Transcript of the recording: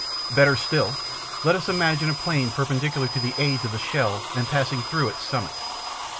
Better still. Let us imagine a plane perpendicular to the aids of the shell and passing through its summit.